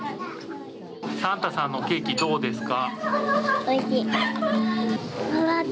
サンタさんのケーキどうですか。